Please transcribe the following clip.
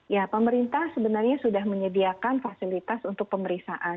ya pemerintah sebenarnya sudah menyediakan fasilitas untuk pemeriksaan